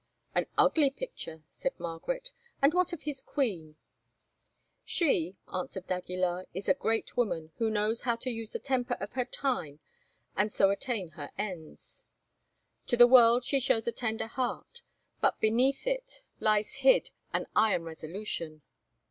"An ugly picture," said Margaret. "And what of his queen?" "She," answered d'Aguilar, "is a great woman, who knows how to use the temper of her time and so attain her ends. To the world she shows a tender heart, but beneath it lies hid an iron resolution."